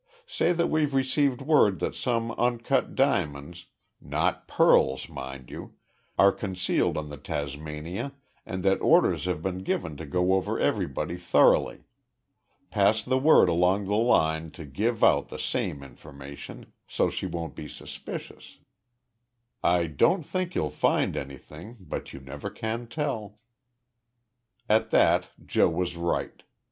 Say that we've received word that some uncut diamonds not pearls, mind you are concealed on the Tasmania and that orders have been given to go over everybody thoroughly. Pass the word along the line to give out the same information, so she won't be suspicious. I don't think you'll find anything, but you never can tell." At that, Joe was right.